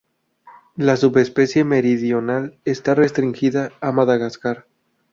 La subespecie meridional está restringida a Madagascar.